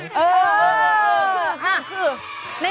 คือ